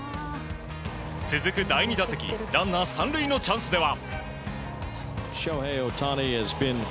続く第２打席ランナー３塁のチャンスでは。